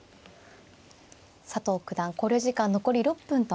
佐藤九段考慮時間残り６分となりました。